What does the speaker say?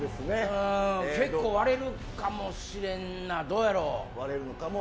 結構、割れるかもしれんなどうやろ。